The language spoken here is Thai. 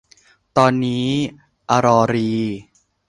ตอนนี้ อรอรีย์